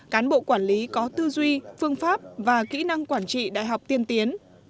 cán bộ quản lý có tư duy phương pháp và kỹ năng quản trị đại học tiên tiến